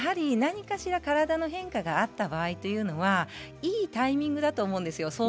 何かしら体の変化があった場合というのはいいタイミングだと思うんですよ